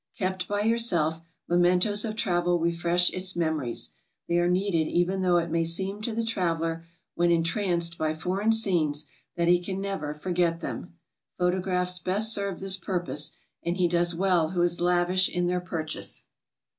Kept by yourself, me mentoes of travel refresh its memories; they are needed even though it may seem to the traveler when entranced by foreign scenes that he can never forget them. Photographs best serve this purpose, and he does well who is lavish in their purchase.